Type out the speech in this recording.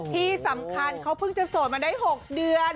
ที่สำคัญเขาเพิ่งจะโสดมาได้๖เดือน